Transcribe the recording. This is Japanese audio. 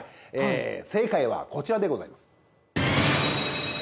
正解はこちらでございます。